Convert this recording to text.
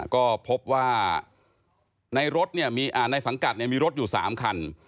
ก็พบว่าในรถในสังกัดมีรถอยู่๓คัน